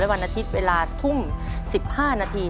วันอาทิตย์เวลาทุ่ม๑๕นาที